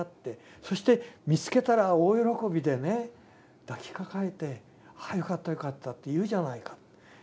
そして見つけたら大喜びでね抱きかかえて「ああよかったよかった」って言うじゃないかって。